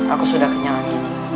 aku sudah kenyang